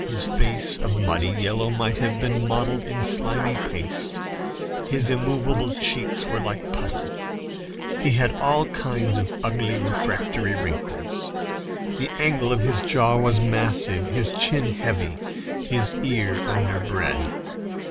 His face of muddy yellow might have been modelled in slimy paste his immovable cheeks were like putty; he had all kinds of ugly refractory wrinkles; the angle of his jaw was massive, his chin heavy, his ear underbred.